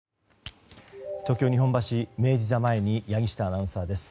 東京・日本橋、明治座前に柳下アナウンサーです。